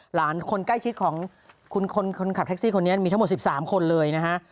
คนใกล้ชิดของคุณคนขับแท็กซี่คนนี้มีทั้งหมด๑๓คนเลยนะฮะ